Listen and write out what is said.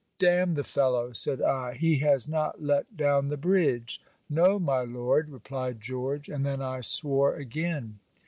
'D n the fellow,' said I, 'he has not let down the bridge!' 'No, my Lord,' replied George: and then I swore again.